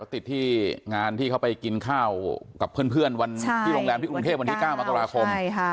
ติดที่งานที่เขาไปกินข้าวกับเพื่อนวันที่โรงแรมที่กรุงเทพวันที่๙มกราคม